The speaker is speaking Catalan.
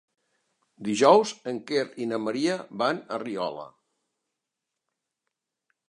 Dijous en Quer i na Maria van a Riola.